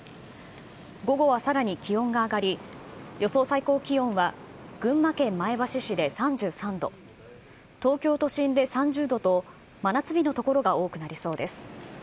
午後はさらに気温が上がり、予想最高気温は群馬県前橋市で３３度、東京都心で３０度と、真夏日の所が多くなりそうです。